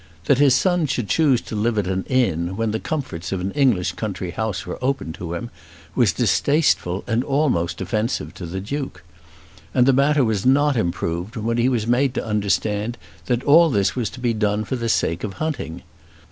That his son should choose to live at an inn, when the comforts of an English country house were open to him, was distasteful and almost offensive to the Duke. And the matter was not improved when he was made to understand that all this was to be done for the sake of hunting.